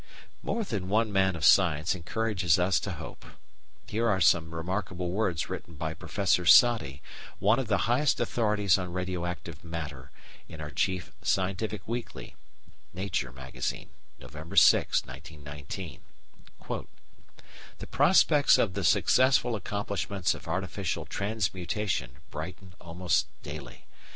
More than one man of science encourages us to hope. Here are some remarkable words written by Professor Soddy, one of the highest authorities on radio active matter, in our chief scientific weekly (Nature, November 6, 1919): The prospects of the successful accomplishment of artificial transmutation brighten almost daily.